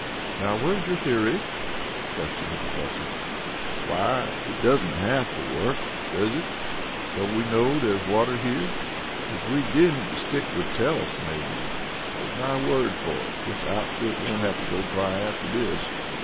"Now, where's your theory?" questioned the Professor. "Why, it doesn't have to work, does it? Don't we know there's water here? If we didn't the stick would tell us, maybe. Take my word for it, this outfit won't have to go dry after this.